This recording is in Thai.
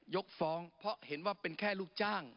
ยกฟ้องเพราะเห็นว่าเป็นแค่ลูกจ้าง